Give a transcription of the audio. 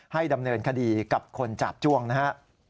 ดำเนินคดีกับคนจาบจ้วงนะฮะ